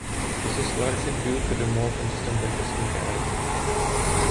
This is largely due to the more consistent winters in Canada.